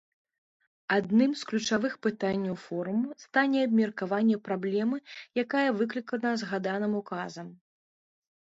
Адным з ключавых пытанняў форуму стане абмеркаванне праблемы, якая выклікана згаданым указам.